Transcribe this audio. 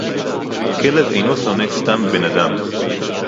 כֶּלֶב אֵינוֹ שׂוֹנֵא סְתָם בֶּן־אָדָם.